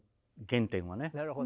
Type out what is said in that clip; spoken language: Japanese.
原点はね。